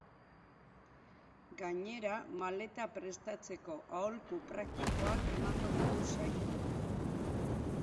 Gainera, maleta prestatzeko aholku praktikoak emango ditu saioak.